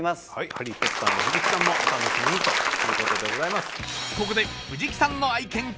ハリー・ポッターの藤木さんもお楽しみにということでございます